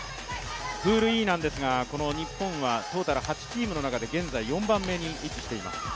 プールＥなんですが、日本はトータル８チームの中で現在４番目に位置しています。